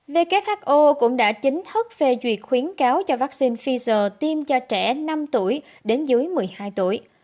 who cũng đã chính thức phê duyệt khuyến cáo cho vaccine pfizer tiêm cho trẻ năm tuổi đến dưới một mươi hai tuổi